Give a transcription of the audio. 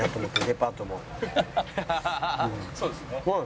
そうですね。